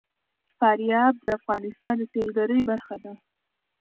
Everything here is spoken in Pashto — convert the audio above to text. فاریاب د افغانستان د سیلګرۍ برخه ده.